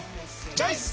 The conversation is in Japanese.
チョイス！